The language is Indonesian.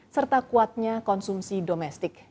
serta kuatnya konsumsi domestik